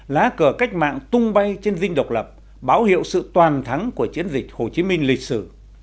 lá cờ cách mạng tung bay trên dinh độc lập báo hiệu sự toàn thắng của chiến dịch hồ chí minh lịch sử